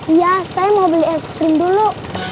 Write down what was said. iya saya mau beli es krim dulu